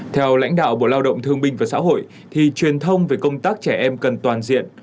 theo lãnh đạo bộ lao động thương binh và xã hội thì truyền thông về công tác trẻ em cần toàn diện